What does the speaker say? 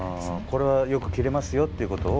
これはよく切れますよっていうことを。